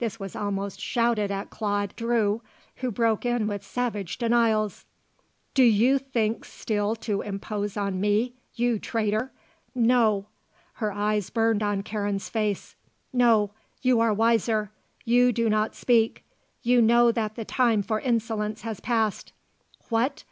this was almost shouted at Claude Drew, who broke in with savage denials. "Do you think still to impose on me you traitor? No," her eyes burned on Karen's face. "No; you are wiser. You do not speak. You know that the time for insolence has passed. What!